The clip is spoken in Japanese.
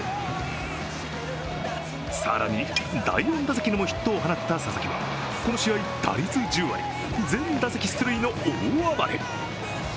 更に、第４打席にもヒットを放った佐々木は、この試合、打率１０割全打席出塁の大暴れ。